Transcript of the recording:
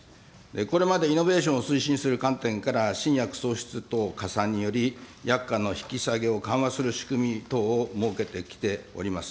これまでイノベーションを推進する観点から、新薬創出等加算により、薬価の引き下げを緩和する仕組み等を設けてきております。